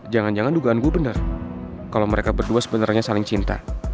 jangan jangan dugaan gue bener kalo mereka berdua sebenernya saling cinta